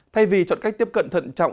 thay vì chọn cách tiếp cận thận trọng